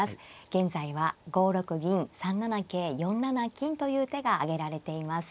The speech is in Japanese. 現在は５六銀３七桂４七金という手が挙げられています。